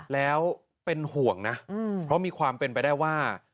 แล้วเป็นห่วงนะเพราะมีความเป็นไปได้ว่า